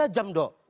tiga jam dong